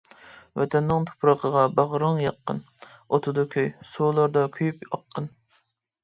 ۋەتەننىڭ تۇپرىقىغا باغرىڭ ياققىن، ئوتىدا كۆي، سۇلىرىدا كۆيۈپ ئاققىن!